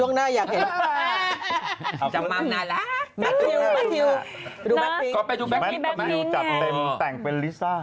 หน้าจะแรกจริงเนอะ